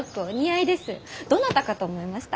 どなたかと思いました！